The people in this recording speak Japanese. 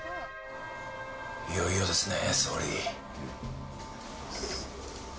いよいよですね、総理。